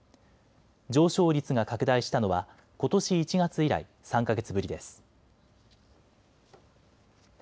上昇率が拡大したのはことし１月以来、３か月ぶりです。